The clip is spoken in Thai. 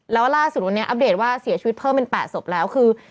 แล้วล่าสุดวันนี้อัปเดตว่าเสียชีวิตเพิ่มเป็น๘ศพแล้วคือ